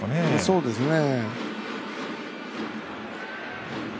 そうですね。